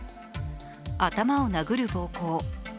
頭を殴る暴行。